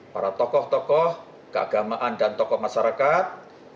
para tokoh tokoh keagamaan dan tokoh masyarakat